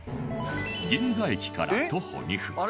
銀座駅から徒歩２分